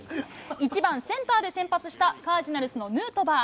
１番センターで先発した、カージナルスのヌートバー。